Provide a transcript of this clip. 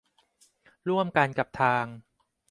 ร่วมกันกับทาง